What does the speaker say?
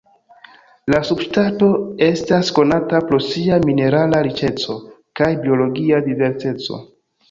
La subŝtato estas konata pro sia minerala riĉeco kaj biologia diverseco.